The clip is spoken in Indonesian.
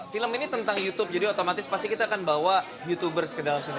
film ini tentang youtube jadi otomatis pasti kita akan bawa youtubers ke dalam sini